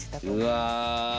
うわ。